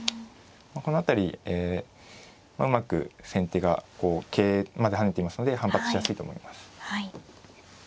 この辺りうまく先手が桂馬で跳ねていますので反発しやすいと思います。